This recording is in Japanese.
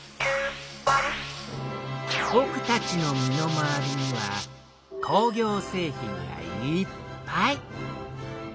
ぼくたちの身の回りには工業製品がいっぱい！